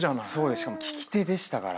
しかも利き手でしたから。